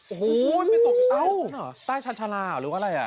โอ้โหไปตกเอ้าใต้ชาญชาลาหรือว่าอะไรอ่ะ